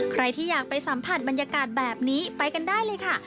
ใครที่อยากไปสัมผัสบรรยากาศแบบนี้ไปกันได้เลยค่ะ